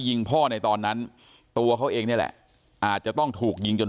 ยิงพ่อในตอนนั้นตัวเขาเองนี่แหละอาจจะต้องถูกยิงจน